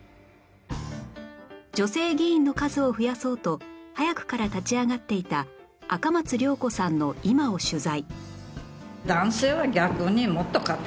女性議員の数を増やそうと早くから立ち上がっていた赤松良子さんの今を取材